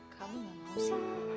kamu ngapain sih